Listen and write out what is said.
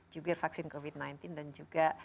jubir vaksin covid sembilan belas dan juga